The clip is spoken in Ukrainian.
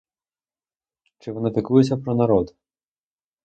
Чи вона піклується про народ?